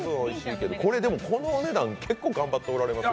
このお値段、結構頑張っておられます。